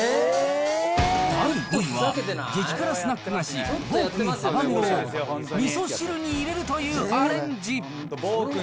第５位は、激辛スナック菓子、暴君ハバネロをみそ汁に入れるというアレンジ。